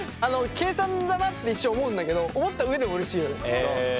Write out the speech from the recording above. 計算だなって一瞬思うんだけど思った上でもうれしいよ。